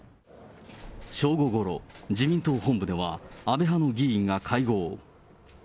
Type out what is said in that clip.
正午ごろ、自民党本部では、安倍派の議員が会合。